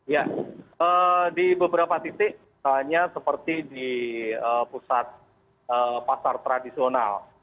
ya di beberapa titik misalnya seperti di pusat pasar tradisional